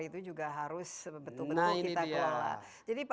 itu juga harus betul betul kita kelola